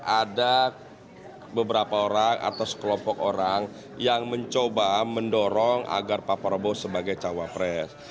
ada beberapa orang atau sekelompok orang yang mencoba mendorong agar pak prabowo sebagai cawapres